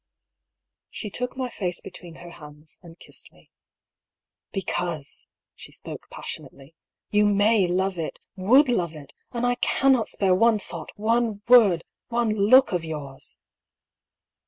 She took my face between her hands and kissed me. " Because," she spoke passionately, " you may love it — ^would love it ; and I cannot spare one thought, one word, one look of yours